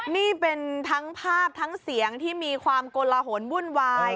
นี่เป็นทั้งภาพทั้งเสียงที่มีความกลหนวุ่นวาย